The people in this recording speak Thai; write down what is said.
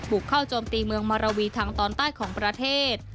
กเข้าโจมตีเมืองมาราวีทางตอนใต้ของประเทศ